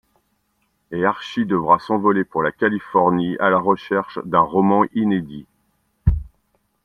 Et Archie devra s'envoler pour la Californie à la recherche d'un roman inédit.